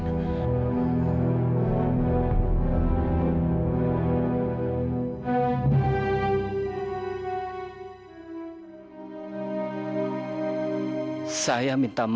aku mau bikin cinta kamu